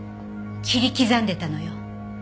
切り刻んでたのよ。